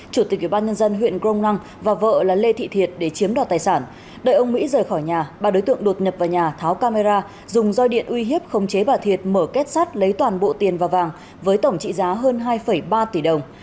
chủ tịch ubnd huyện grong năng và vợ là lê thị thiệt để chiếm đòi tài sản đợi ông mỹ rời khỏi nhà bà đối tượng đột nhập vào nhà tháo camera dùng doi điện uy hiếp không chế bà thiệt mở kết sắt lấy toàn bộ tiền và vàng với tổng trị giá hơn hai ba tỷ đồng